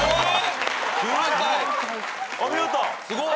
お見事。